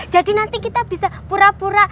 jadi nanti kita bisa pura pura